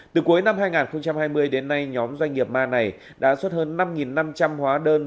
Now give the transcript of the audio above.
từ cuối năm hai nghìn hai mươi đến nay nhóm doanh nghiệp ma này đã xuất hơn năm năm trăm linh hóa đơn